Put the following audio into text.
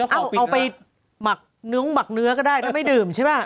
เอาไปหมักเนื้อก็ได้ถ้าไม่ดื่มใช่ไหม